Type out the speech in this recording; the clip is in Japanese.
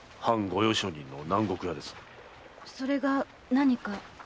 それが何か？